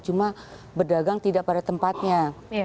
cuma berdagang tidak pada tempatnya